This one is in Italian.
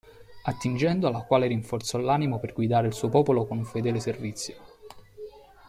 Attingendo alla quale rinforzò l'animo per guidare il suo popolo con un fedele servizio.